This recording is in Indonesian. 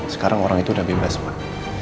sekarang orang itu udah bebas pak